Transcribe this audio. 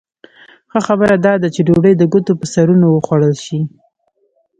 ښه خبره دا ده چې ډوډۍ د ګوتو په سرونو وخوړل شي.